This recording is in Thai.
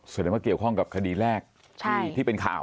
แสดงว่าเกี่ยวข้องกับคดีแรกที่เป็นข่าว